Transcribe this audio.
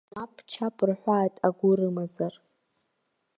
Мап-чап рҳәааит агәы рымазар!